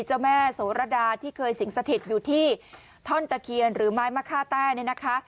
เจ้าแม่โสรดาที่เคยสิงสถิตอยู่ที่ท่อนตะเคียนหรือไม้มะค่าแต้เนี่ยนะคะ